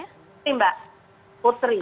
putri mbak putri